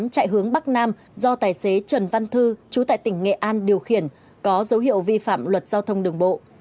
hai nghìn bốn mươi tám chạy hướng bắc nam do tài xế trần văn thư trú tại tỉnh nghệ an điều khiển có dấu hiệu vi phạm luật giao thông đường bộ